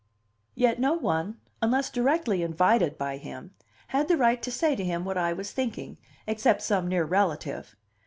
Yet no one, unless directly invited by him, had the right to say to hint what I was thinking, except some near relative.